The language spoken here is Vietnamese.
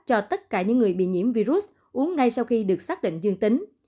cho tất cả những người bị nhiễm virus uống ngay sau khi được xác định dương tính